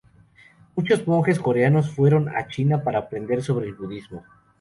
Muchos monjes coreanos fueron a China para aprender sobre el budismo.